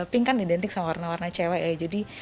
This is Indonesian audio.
pink kan identik sama warna warna cewek ya jadi